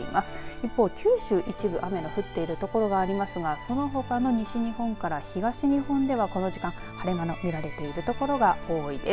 一方、九州、一部雨の降っている所がありますがそのほかの西日本から東日本ではこの時間、晴れ間の見られている所が多いです。